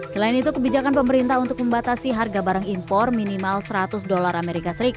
selain itu kebijakan pemerintah untuk membatasi harga barang impor minimal seratus dolar as